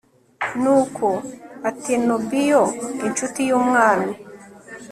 nuko atenobiyo, incuti y'umwami